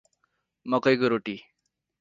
मकैको रोटी